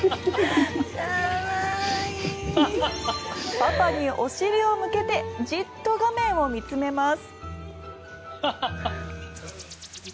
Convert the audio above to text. パパにお尻を向けてじっと画面を見つめます。